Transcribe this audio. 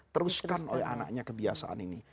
teruskan oleh anaknya kebiasaan ini